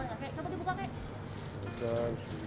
cuma tidak perlu beli belian